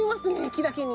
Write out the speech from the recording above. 「き」だけに。